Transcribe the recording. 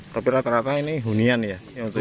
tapi rata rata ini hunian ya